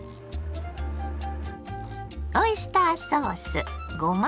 オイスターソースごま